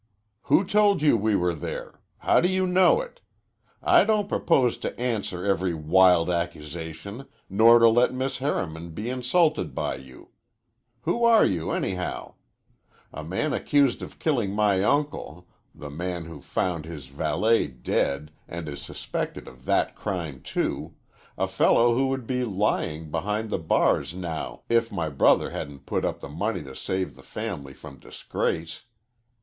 "Who told you we were there? How do you know it? I don't propose to answer every wild accusation nor to let Miss Harriman be insulted by you. Who are you, anyhow? A man accused of killing my uncle, the man who found his valet dead and is suspected of that crime, too, a fellow who would be lying behind the bars now if my brother hadn't put up the money to save the family from disgrace.